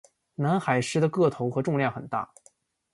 南海狮的个头和重量很大。